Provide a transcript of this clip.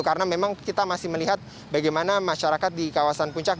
karena memang kita masih melihat bagaimana masyarakat di kawasan puncak